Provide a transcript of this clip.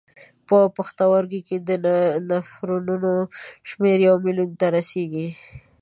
په هر پښتورګي کې د نفرونونو شمېر یو میلیون ته رسېږي.